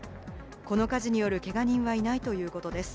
この火事によるけが人はいないという事です。